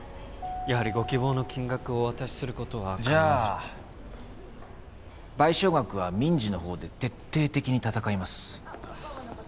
やはりご希望の金額をお渡しすることは叶わずじゃあ賠償額は民事のほうで徹底的に戦います